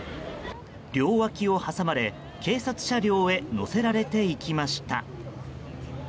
両脇を挟まれ、警察車両へ乗せられていきました。